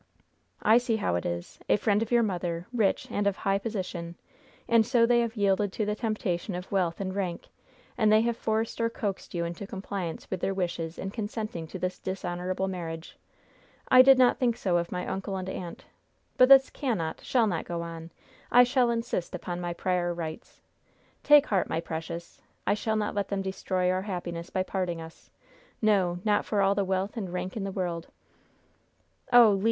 "I see how it is! A friend of your mother, rich, and of high position; and so they have yielded to the temptation of wealth and rank, and they have forced or coaxed you into compliance with their wishes in consenting to this dishonorable marriage! I did not think so of my uncle and aunt. But this cannot, shall not go on! I shall insist upon my prior rights. Take heart, my precious. I shall not let them destroy our happiness by parting us. No, not for all the wealth and rank in the world!" "Oh, Le!